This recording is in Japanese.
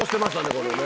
これね。